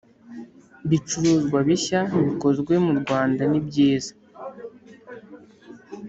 bicuruzwa bishya bikozwe murwanda nibyiza